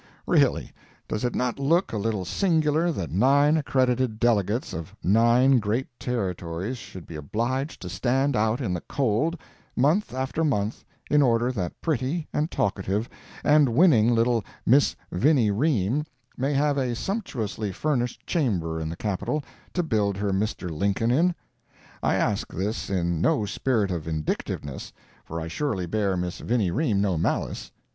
Really, does it not look a little singular that nine accredited delegates of nine great Territories should be obliged to stand out in the cold, month after month, in order that pretty, and talkative, and winning little Miss Vinnie Ream may have a sumptuously furnished chamber in the Capitol to build her Mr. Lincoln in? I ask this in no spirit of vindictiveness, for I surely bear Miss Vinnie Ream no malice.